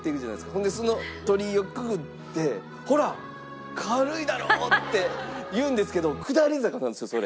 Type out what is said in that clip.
ほんでその鳥居をくぐって「ほら軽いだろ！」って言うんですけど下り坂なんですよそれ。